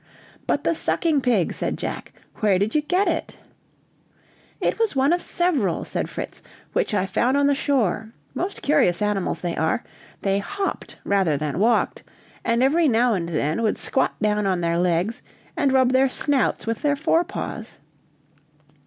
"But the sucking pig," said Jack, "where did you get it?" "It was one of several," said Fritz, "which I found on the shore; most curious animals they are; they hopped rather than walked, and every now and then would squat down on their legs and rub their snouts with their fore paws.